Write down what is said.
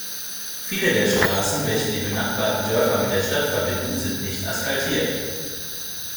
Viele der Straßen, welche die benachbarten Dörfer mit der Stadt verbinden, sind nicht asphaltiert.